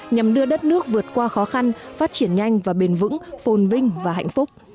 nhằm đưa đất nước vượt qua khó khăn phát triển nhanh và bền vững phồn vinh và hạnh phúc